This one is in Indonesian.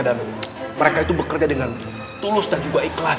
dan mereka itu bekerja dengan tulus dan juga ikhlas